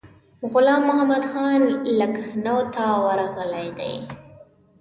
غلام محمدخان لکنهو ته ورغلی دی.